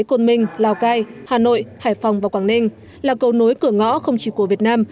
côn minh lào cai hà nội hải phòng và quảng ninh là cầu nối cửa ngõ không chỉ của việt nam